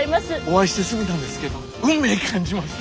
お会いしてすぐなんですけど運命感じます。